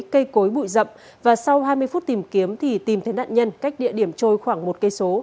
cây cối bụi rậm và sau hai mươi phút tìm kiếm thì tìm thấy nạn nhân cách địa điểm trôi khoảng một km